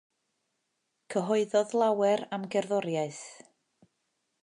Cyhoeddodd lawer am gerddoriaeth.